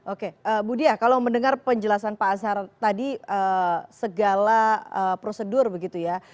oke bu diah kalau mendengar penjelasan pak azhar tadi segala prosedur begitu ya